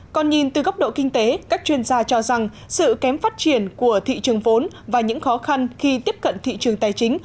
còn nhìn từ góc độ kinh tế các chuyên gia cho rằng sự kém phát triển của thị trường vốn và những khó khăn khi tiếp cận thị trường tài chính